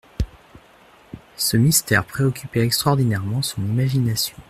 Ce mystère préoccupait extraordinairement son imagination.